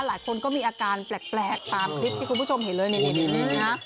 หลายคนก็มีอาการแปลกตามคลิปที่คุณผู้ชมเห็นเลยนี่นะฮะ